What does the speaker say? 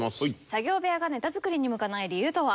作業部屋がネタ作りに向かない理由とは？